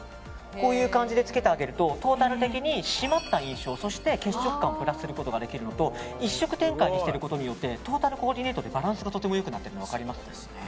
こういう感じでつけてあげるとトータル的に締まった印象、血色感をプラスすることができるのと１色展開にしていることでトータルコーディネートでバランスがとてもよくなってるの分かります？